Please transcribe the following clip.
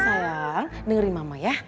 sayang dengerin mama ya